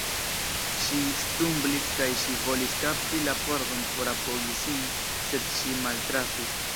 Ŝi stumblis, kaj ŝi volis kapti la pordon por apogi sin, sed ŝi maltrafis.